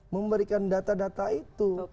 memberikan data data itu